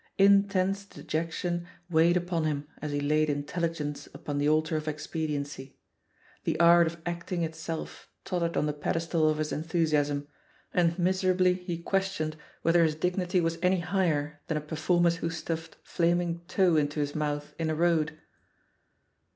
Intense de jection weighed upon him as he laid intelligence upon the altar of expediency. The art of acting itself tottered on the pedestal of his enthusiasm, and miserably he questioned whether his dignity was any higher than a performer's who stuffed flaming tow into his mouth in a road.